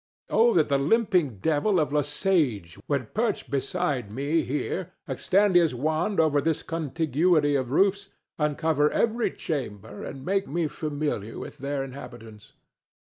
Oh that the Limping Devil of Le Sage would perch beside me here, extend his wand over this contiguity of roofs, uncover every chamber and make me familiar with their inhabitants!